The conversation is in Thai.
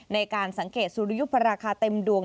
ในการสังเกตสุริยุปราคาเต็มดวง